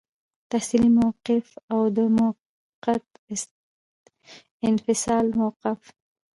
تحصیلي موقف او د موقت انفصال موقف.